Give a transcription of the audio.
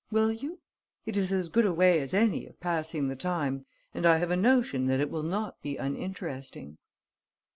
Will you? It is as good a way as any of passing the time and I have a notion that it will not be uninteresting."